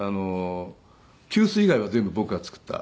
急須以外は全部僕が作った。